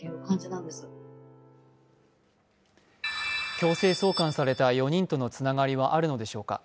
強制送還された４人とのつながりはあるのでしょうか。